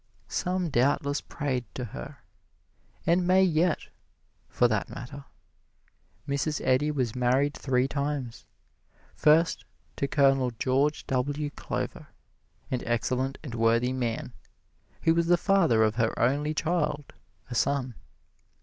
Some doubtless prayed to her and may yet, for that matter. Mrs. Eddy was married three times. First, to Colonel George W. Glover, an excellent and worthy man, who was the father of her only child, a son.